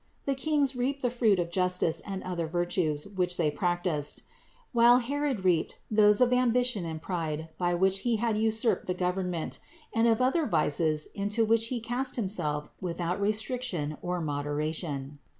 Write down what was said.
The kings reaped the fruit of justice and other virtues, which they practiced; while Herod reaped those of ambition and pride by which he had usurped the government, and of other vices into which he cast him self without restriction or moderation.